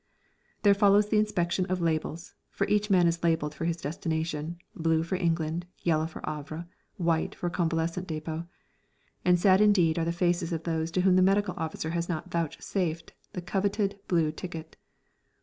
There follows the inspection of labels (for each man is labelled for his destination: blue for England, yellow for Havre, white for a convalescent depot), and sad indeed are the faces of those to whom the medical officer has not vouchsafed the coveted blue ticket.